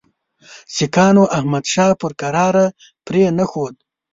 سیکهانو احمدشاه پر کراره پرې نه ښود.